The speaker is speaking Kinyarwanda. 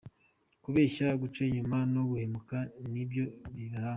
Kubeshya, guca inyuma no guhemuka ni byo bibaranga.